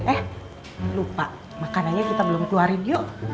eh lupa makanannya kita belum keluarin yuk